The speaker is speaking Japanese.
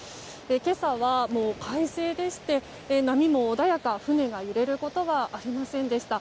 今朝は快晴でして、波も穏やか船が揺れることはありませんでした。